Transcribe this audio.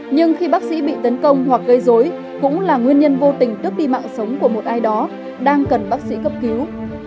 nhưng khi bác sĩ bị tấn công hoặc gây dối cũng là nguyên nhân vô tình tước đi mạng sống của một ai đó đang cần bác sĩ cấp cứu